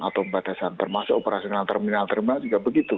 atau pembatasan termasuk operasional terminal terminal juga begitu